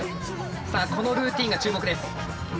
さあこのルーティーンが注目です。